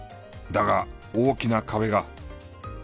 だが大きな壁が。